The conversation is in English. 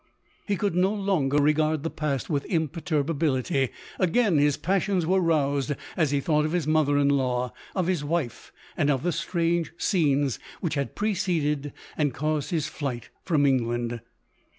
He could no longer regard the past with imperturbability. Again his passions were roused, as he thought of his mother in law, of his wife, and of the strange scenes which had preceded and caused his flight from England.